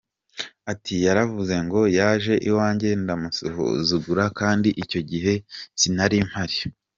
Ati “Yaravuze ngo yaje iwanjye ndamusuzugura kandi icyo gihe sinari mpari.